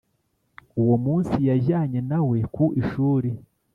uwo munsi yajyanye na we ku ishuri,